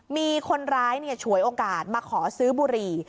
มีคนร้ายฉวยโอกาสมาขอซื้อบุหรี่